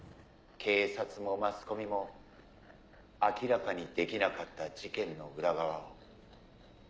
「警察もマスコミも明らかにできなかった事件の裏側を」。